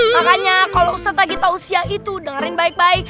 makanya kalau ustadz lagi tausia itu dengerin baik baik